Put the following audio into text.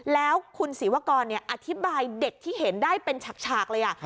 แล้วคุณศิวกรอธิบายเด็กที่เห็นได้เป็นฉากเลย